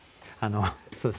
あのそうですね